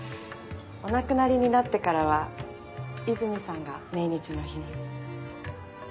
お亡くなりになってからは泉さんが命日の日に。